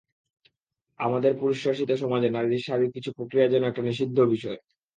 আমাদের পুরুষশাসিত সমাজে নারীর শারীরিক কিছু প্রক্রিয়া যেন একটা নিষিদ্ধ বিষয়।